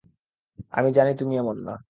আমি জানি তুমি এমন না!